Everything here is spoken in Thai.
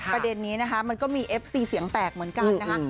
ประเด็นนี้นะคะมันก็มีเอฟซีเสียงแตกเหมือนกันนะคะ